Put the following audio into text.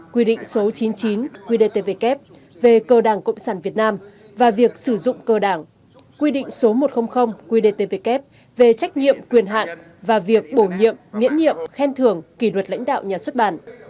quy định số chín chín quy đề tvk về cơ đảng cộng sản việt nam và việc sử dụng cơ đảng quy định số một quy đề tvk về trách nhiệm quyền hạn và việc bổ nhiệm miễn nhiệm khen thưởng kỷ luật lãnh đạo nhà xuất bản